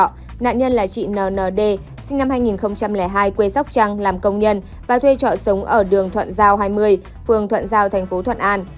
nạn nhân là chị n n d sinh năm hai nghìn hai quê sóc trăng làm công nhân và thuê trọ sống ở đường thuận giao hai mươi phường thuận giao thành phố thuận an